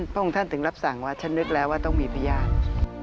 พระองค์ท่านถึงรับสั่งว่าฉันนึกแล้วว่าต้องมีพญาติ